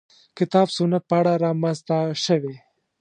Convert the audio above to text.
کتاب سنت په اړه رامنځته شوې.